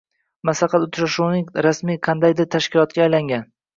Maslahat uchrashuvining rasmiy qanaqadir tashkilotga aylangan